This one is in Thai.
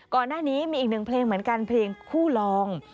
ก่อนหน้านี้มีอีกหนึ่งเพลงเหมือนกันเพลงคู่ลอง